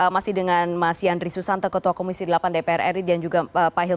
masih dengan mas yandri susanta ketua komisi delapan belas tahun